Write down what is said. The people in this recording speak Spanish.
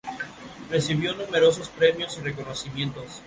Aun así, los procesos y contexto de producción para las dos cambiaron bastante.